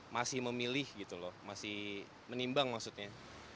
masih memilih gitu loh masih menimbang maksudnya